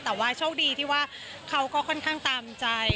แต่ว่าโชคดีที่ว่าเขาก็ค่อนข้างตามใจ